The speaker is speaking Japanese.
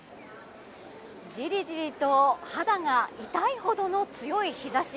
じりじりと肌が痛いほどの強い日差し。